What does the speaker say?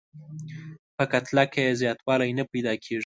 په کتله کې یې زیاتوالی نه پیدا کیږي.